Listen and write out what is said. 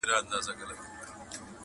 ما کوم ښه کار ترسره کړ